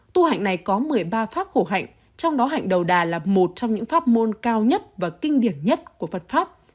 tu hạnh này có một mươi ba pháp khổ hạnh trong đó hạnh đầu đà là một trong những pháp môn cao nhất và kinh điển nhất của phật pháp